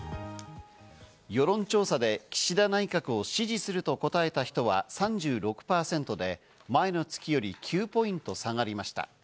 世論調査で岸田内閣を支持すると答えた人は３６％で、前の月より９ポイント下がりました。